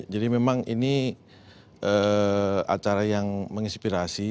jadi memang ini acara yang menginspirasi